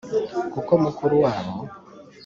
Kuko mukuru wabo